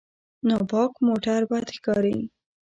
ناپاک موټر بد ښکاري.